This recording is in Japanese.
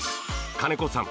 金子さん